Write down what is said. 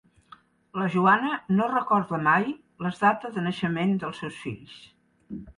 La Joana no recorda mai les data de naixement dels seus fills.